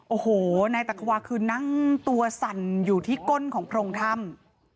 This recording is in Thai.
โอ้โหนายตักขวาคือนั่งตัวสั่นอยู่ที่ก้นของโพรงถ้ำ